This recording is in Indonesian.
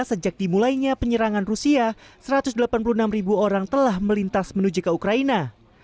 sejak dimulainya penyerangan rusia satu ratus delapan puluh enam ribu orang telah melintas menuju ke ukraina